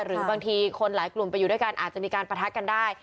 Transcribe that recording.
หรือบางทีคนหลายกลุ่มไปอยู่ด้วยกันอาจจะมีการประทักกันได้